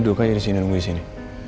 duduk aja disini nunggu disini